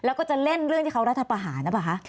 แล้วก็จะเล่นเรื่องที่เขารัฐประหารนะบ้างคะ